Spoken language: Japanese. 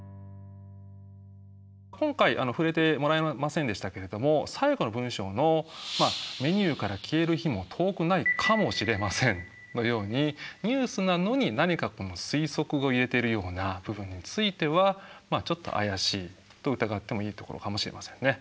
今回触れてもらえませんでしたけれども最後の文章の「メニューから消える日も遠くないかもしれません」のようにニュースなのに何かこの推測を入れているような部分についてはちょっと怪しいと疑ってもいいところかもしれませんね。